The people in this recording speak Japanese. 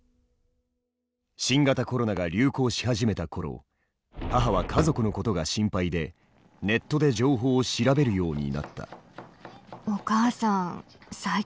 新型コロナが流行し始めた頃母は家族のことが心配でネットで情報を調べるようになった。